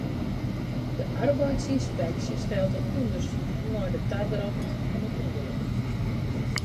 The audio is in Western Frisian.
De arbeidsynspeksje stelt in ûndersyk yn nei de tadracht fan it ûngelok.